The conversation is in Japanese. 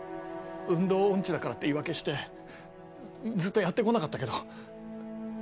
運動音痴だからって言い訳してずっとやって来なかったけど。